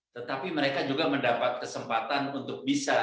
tetapi mereka juga mendapat kesempatan untuk bisa